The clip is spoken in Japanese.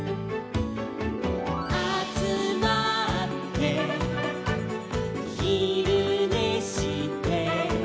「あつまってひるねして」